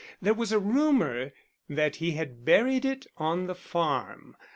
There was a rumour that he had buried it on the farm.